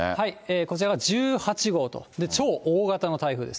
こちらが１８号と、超大型の台風です。